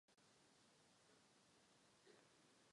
Všichni víme, že to bude vyžadovat značné částky veřejných financí.